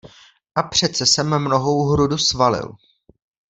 A přece jsem mnohou hrudu svalil.